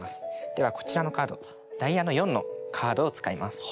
ではこちらのカードダイヤの４のカードを使います。